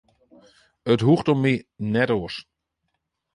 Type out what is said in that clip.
It hoecht om my net oars.